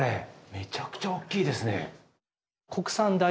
めちゃくちゃおっきいですね。